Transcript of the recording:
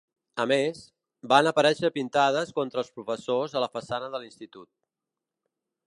A més, van aparèixer pintades contra els professors a la façana de l’institut.